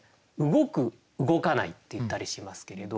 動く動かないっていったりしますけれど。